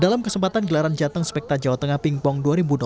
dalam kesempatan gelaran jateng spekta jawa tengah pingpong dua ribu dua puluh